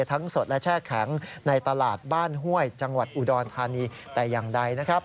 สดและแช่แข็งในตลาดบ้านห้วยจังหวัดอุดรธานีแต่อย่างใดนะครับ